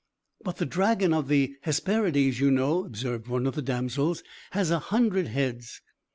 "But the dragon of the Hesperides, you know," observed one of the damsels, "has a hundred heads!"